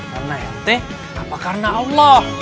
karena ente apa karena allah